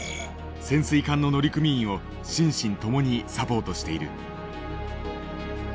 潜水艦の乗組員を心身ともにサポートしている。